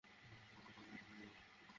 তুমি কী অবৈধ কিছু করো?